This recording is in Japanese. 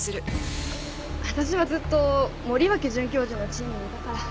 私はずっと森脇准教授のチームにいたから。